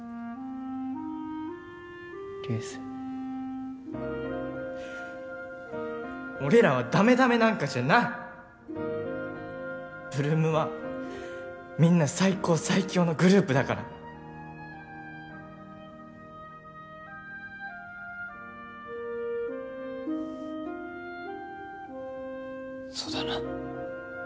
竜星俺らはダメダメなんかじゃない８ＬＯＯＭはみんな最高最強のグループだからそうだな